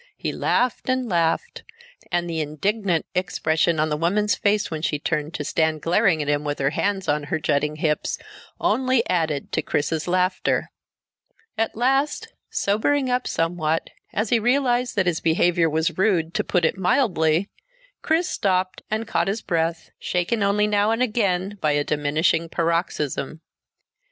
He laughed and laughed, and the indignant expression on the woman's face when she turned, to stand glaring at him with her hands on her jutting hips, only added to Chris's laughter. At last, sobering up somewhat as he realized that his behavior was rude, to put it mildly, Chris stopped and caught his breath, shaken only now and again by a diminishing paroxysm.